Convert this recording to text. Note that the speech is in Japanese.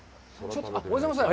おはようございます。